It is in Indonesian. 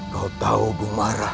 kau tahu bumarah